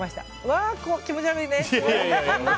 わー気持ち悪いね。